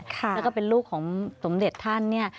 แล้วก็เป็นลูกของสมเด็จท่านเนี่ย